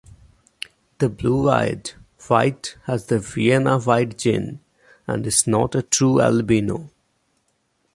The blue-eyed white has the Vienna white gene and is not a true albino.